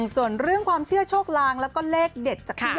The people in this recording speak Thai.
ส่วนเรื่องความเชื่อโชคลางและเลขเด็ดจัง